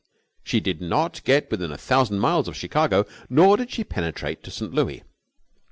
She did not get within a thousand miles of Chicago, nor did she penetrate to St. Louis.